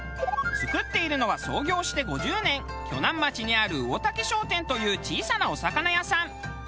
作っているのは創業して５０年鋸南町にある魚竹商店という小さなお魚屋さん。